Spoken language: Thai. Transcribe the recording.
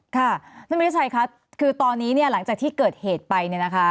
ค่ะท่านบันไดชัยคะคือตอนนี้หลังจากที่เกิดเหตุไป